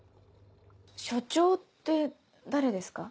署長って誰ですか？